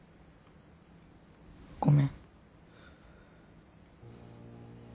ごめん。